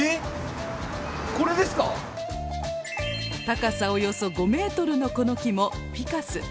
高さおよそ５メートルのこの木もフィカス。